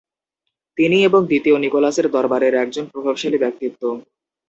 তিনি এবং দ্বিতীয় নিকোলাসের দরবারের একজন প্রভাবশালী ব্যক্তিত্ব।